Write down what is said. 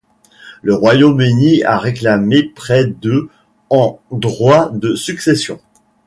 Le Royaume-Uni a réclamé près de en droits de succession.